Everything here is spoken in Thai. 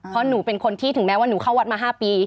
เพราะหนูเป็นคนที่ถึงแม้ว่าหนูเข้าวัดมา๕ปี